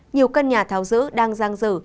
nhiều căn nhà tháo dỡ đang giang dở